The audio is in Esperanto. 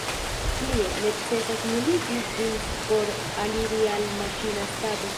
Plie, necesas nuligi ĝin por aliri al maŝina stato.